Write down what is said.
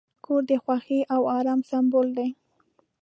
کور د خوښۍ او آرام سمبول دی.